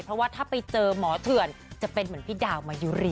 เพราะว่าถ้าไปเจอหมอเถื่อนจะเป็นเหมือนพี่ดาวมายุรี